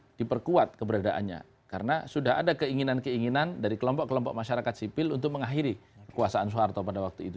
itu diperkuat keberadaannya karena sudah ada keinginan keinginan dari kelompok kelompok masyarakat sipil untuk mengakhiri kekuasaan soeharto pada waktu itu